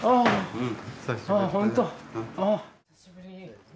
うん。